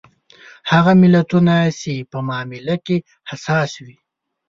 هغه ملتونه چې په معامله کې حساس وي.